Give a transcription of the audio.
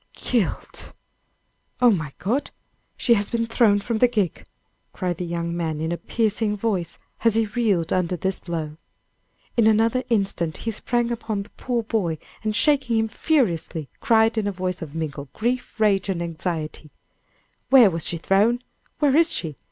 "Killed! Oh, my God! she has been thrown from the gig!" cried the young man, in a piercing voice, as he reeled under this blow. In another instant he sprang upon the poor boy and shaking him furiously, cried in a voice of mingled grief, rage and anxiety: "Where was she thrown? Where is she?